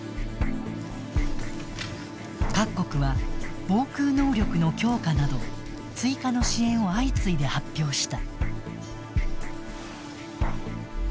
各国は、防空能力の強化など追加の支援を相次いで発表した。